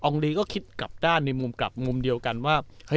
ลีก็คิดกลับด้านในมุมกลับมุมเดียวกันว่า